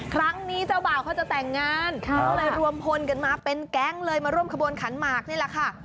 เจ้าบ่าวเขาจะแต่งงานเขาเลยรวมพลกันมาเป็นแก๊งเลยมาร่วมขบวนขันหมากนี่แหละค่ะ